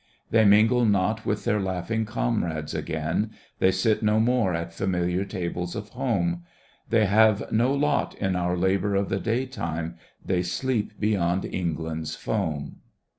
They mingle not with their laughing comrades again; They sit no more at familiar tables of home ; They have no lot in our labour of the day time ; They sleep beyond England's foam.